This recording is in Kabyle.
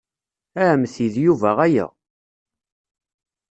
A ɛemmti, d Yuba aya.